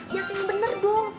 ya yang bener dong